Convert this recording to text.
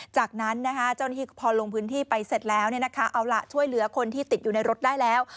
จากนั้นเจ้าหน้าที่พอลงพื้นที่ไปเสร็จแล้วเอาล่ะช่วยเหลือคนที่ติดอยู่ในรถได้แล้ว